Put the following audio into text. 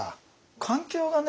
環境がね